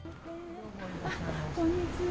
こんにちは。